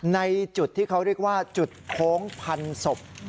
ในจุดที่เขาเรียกว่าจุดโค้งพันศพ